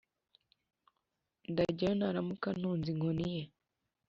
ndajyayo Naramuka antunze inkoni ye